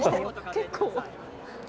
結構。